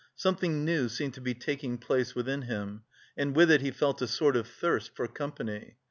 Something new seemed to be taking place within him, and with it he felt a sort of thirst for company.